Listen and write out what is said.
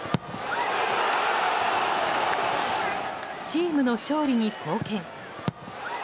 チームの勝利に貢献。